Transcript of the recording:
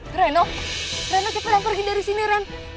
kerenah kerenah cepetan pergi dari sini kerenah